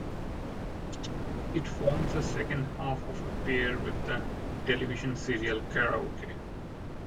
It forms the second half of a pair with the television serial "Karaoke".